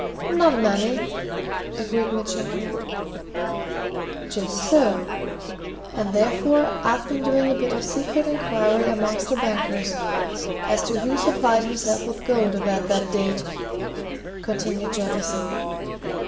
"Not many," agreed Mitchington. "Just so and therefore I've been doing a bit of secret inquiry amongst the bankers, as to who supplied himself with gold about that date," continued Jettison.